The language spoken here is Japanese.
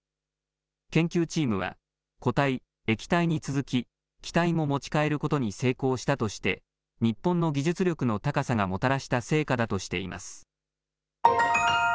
研究チームは固体、液体に続き気体も持ち帰ることに成功したとして日本の技術力の高さがもたらした成果だとしています。